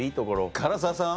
唐沢さん？